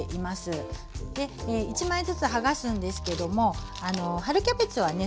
１枚ずつ剥がすんですけども春キャベツはね